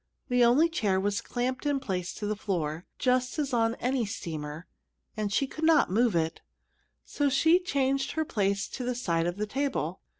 The only chair was clamped in place to the floor, just as on any steamer, and she could not move it. So she changed her place to the side of the table.